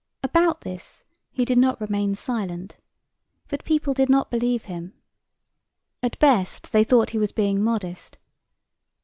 About this he did not remain silent, but people did not believe him. At best they thought he was being modest.